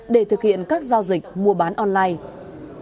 để thực hiện các giao dịch mua bán online